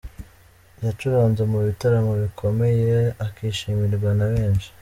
Yacuranze mu bitaramo bikomeye akishimirwa na benshi.